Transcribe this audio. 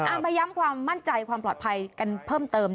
มาย้ำความมั่นใจความปลอดภัยกันเพิ่มเติม